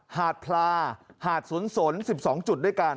หาดพลาหาดสุน๑๒จุดด้วยกัน